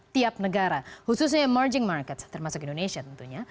tiap negara khususnya emerging markets termasuk indonesia tentunya